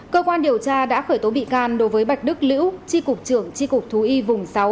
cơ quan điều tra đã khởi tố bị can đối với bạch đức lữ chi cục trưởng chi cục thú y vùng sáu